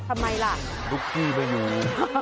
ทำไมล่ะทุกที่ไม่อยู่